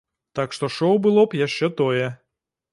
Так што шоў было б яшчэ тое.